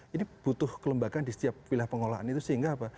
ini butuh kelembagaan di setiap wilayah pengelolaan itu sehingga apa